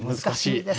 難しい！